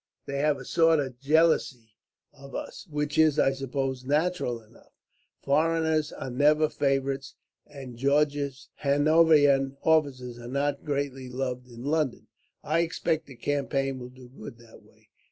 They have a sort of jealousy of us; which is, I suppose, natural enough. Foreigners are never favourites, and George's Hanoverian officers are not greatly loved in London. I expect a campaign will do good, that way.